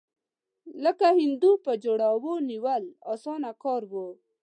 لکه هندو په جوارو نیول، اسانه کار و.